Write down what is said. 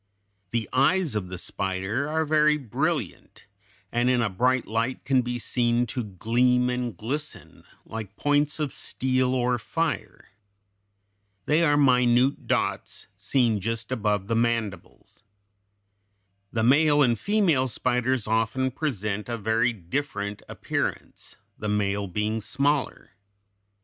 The eyes of the spider are very brilliant, and in a bright light can be seen to gleam and glisten like points of steel or fire. They are minute dots, seen just above the mandibles. [Illustration: FIG. 175. Jaws of a spider.] The male and female spiders often present a very different appearance, the male being smaller.